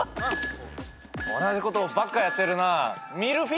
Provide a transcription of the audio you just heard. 同じことばっかやってるな。